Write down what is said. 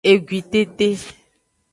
Egwitete.